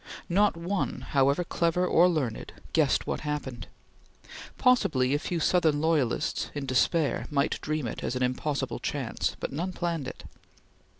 Not one, however clever or learned, guessed what happened. Possibly a few Southern loyalists in despair might dream it as an impossible chance; but none planned it.